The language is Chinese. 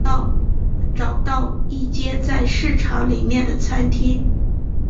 找到一间在市场里面的餐厅